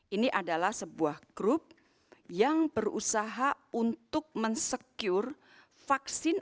ini adalah sebuah grup yang berusaha untuk mensecure vaksin